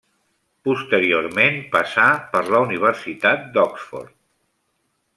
Posteriorment passà per la Universitat d'Oxford.